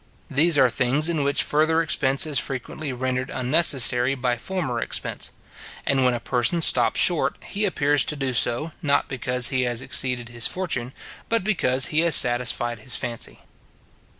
These are things in which further expense is frequently rendered unnecessary by former expense; and when a person stops short, he appears to do so, not because he has exceeded his fortune, but because he has satisfied his fancy.